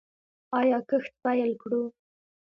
آیا کښت پیل کړو؟